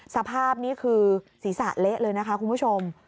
สภาพนี้คือศีรษะเละเลยนะคะคุณผู้ชม